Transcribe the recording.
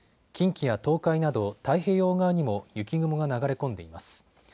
近畿や東海など太平洋側にも雪雲が流れ込んでいます。